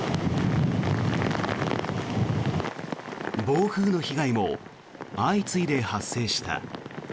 暴風の被害も相次いで発生した。